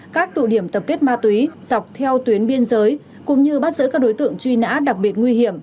các tụ điểm tập kết ma túy dọc theo tuyến biên giới cũng như bắt giữ các đối tượng truy nã đặc biệt nguy hiểm